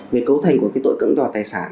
về cấu thành của tội cưỡng đoạt tài sản